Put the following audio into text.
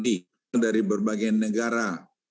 dari berbagai negara